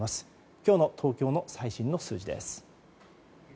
今日の東京の最新の数字です。